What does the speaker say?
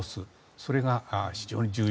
それが非常に重要。